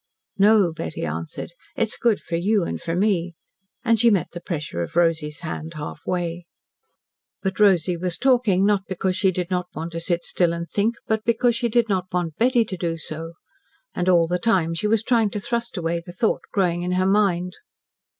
"No," Betty answered. "It is good for you and for me." And she met the pressure of Rosy's hand halfway. But Rosy was talking, not because she did not want to sit still and think, but because she did not want Betty to do so. And all the time she was trying to thrust away the thought growing in her mind.